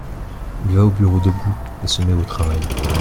Il va au bureau debout et se met au travail.